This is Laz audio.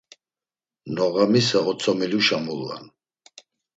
Noğamisa otzomiluşa mulvan.